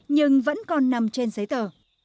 nhưng vẫn còn nằm trên giấy tờ